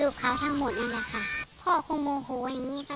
เขาก็อยู่ฝั่งเดียวกัน